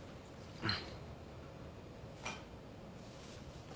うん？